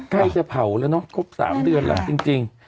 ใกล้จะเผาแล้วเนอะครบ๓เดือนหลังจริง